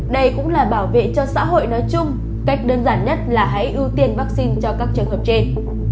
đây cũng là bảo vệ cho xã hội nói chung cách đơn giản nhất là hãy ưu tiên vaccine cho các trường hợp trên